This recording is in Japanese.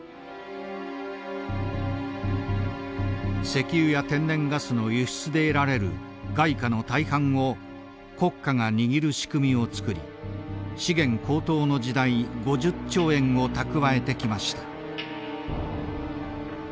石油や天然ガスの輸出で得られる外貨の大半を国家が握る仕組みを作り資源高騰の時代５０兆円を蓄えてきました。